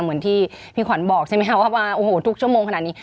เหมือนที่พี่ขวัญบอกใช่ไหมคะว่าโอ้โหทุกชั่วโมงขนาดนี้